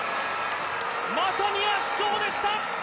まさに圧勝でした！